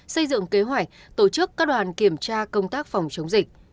xây dựng kế hoạch tổ chức các đoàn kiểm tra công tác phòng chống dịch